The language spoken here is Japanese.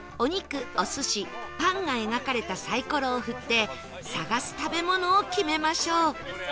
「お寿司」「パン」が描かれたサイコロを振って探す食べ物を決めましょう